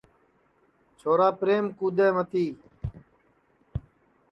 چھورا پریم کُدؔے متی